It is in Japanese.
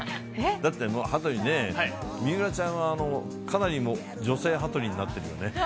だってもう、羽鳥ね、水卜ちゃんは、かなり女性羽鳥になってるよね。